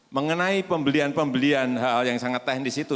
mengenai pembelian pembelian hal hal yang sangat teknis itu